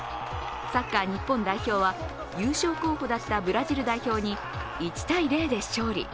サッカー日本代表は優勝候補だったブラジル代表に１−０で勝利。